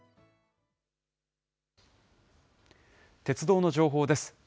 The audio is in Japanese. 鉄道の情報です。